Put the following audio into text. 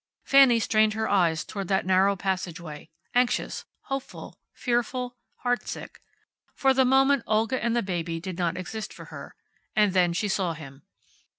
Fanny strained her eyes toward that narrow passageway, anxious, hopeful, fearful, heartsick. For the moment Olga and the baby did not exist for her. And then she saw him.